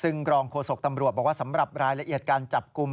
ซึ่งรองโฆษกตำรวจบอกว่าสำหรับรายละเอียดการจับกลุ่ม